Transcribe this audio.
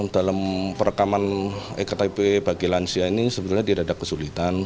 dalam perekaman ektp bagi lansia ini sebenarnya diadak kesulitan